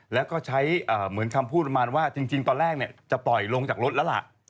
แล้วก็ใช้เหมือนคำพูดประมาณว่าจริงตอนแรกจะปล่อยลงจากรถแล้วล่ะ